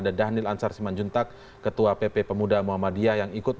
dan ada dhanil ansar simanjuntag ketua pp pemuda muhammadiyah